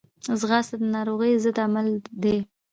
ځغاسته د ناروغیو ضد عمل دی